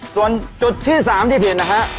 ส่วนจุดที่๓ที่ผิดนะฮะ